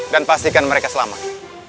dan pastikan mereka selamat